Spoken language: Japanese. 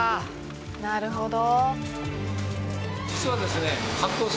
なるほど。